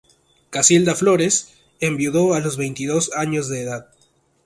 Casilda Flores enviudó a los veintidós años de edad.